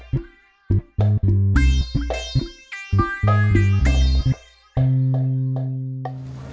pengabdian mams pengabdian mams